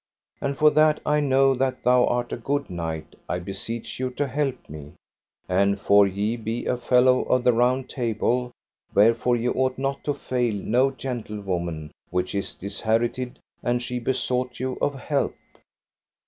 And for that I know that thou art a good knight, I beseech you to help me; and for ye be a fellow of the Round Table, wherefore ye ought not to fail no gentlewoman which is disherited, an she besought you of help.